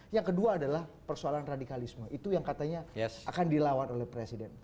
yang kedua adalah persoalan radikalisme itu yang katanya akan dilawan oleh presiden